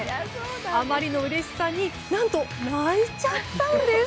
あまりのうれしさに何と泣いちゃったんです。